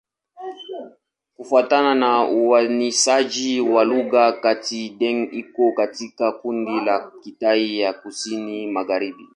Kufuatana na uainishaji wa lugha, Kitai-Daeng iko katika kundi la Kitai ya Kusini-Magharibi.